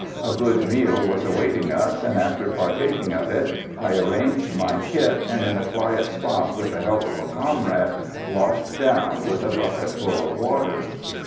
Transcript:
A good meal was awaiting us, and, after partaking of it, I arranged my kit, and in a quiet spot, with the help of a comrade, "washed down" with a bucketful of water.